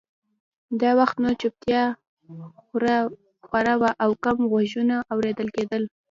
دا وخت نو چوپتیا خوره وه او کم غږونه اورېدل کېدل